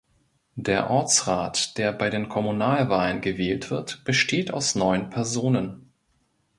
Der Ortsrat, der bei den Kommunalwahlen gewählt wird, besteht aus neun Personen.